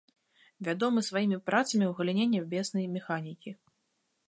Вядомы сваімі працамі ў галіне нябеснай механікі.